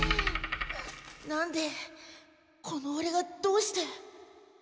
なんでこのオレがどうして。